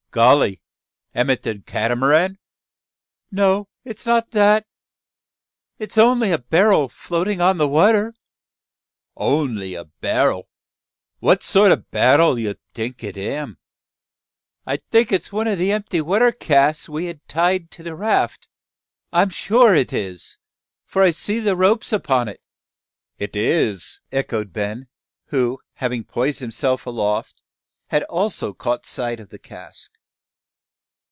Golly! am it de Cat'maran?" "No, it is not that. It's only a barrel floating on the water." "Only a ba'l, what sort o' a ba'l you tink 'im?" "I think it's one of the empty water casks we had tied to the raft. I'm sure it is: for I see ropes upon it." "It is," echoed Ben, who, having poised himself aloft, had also caught sight of the cask.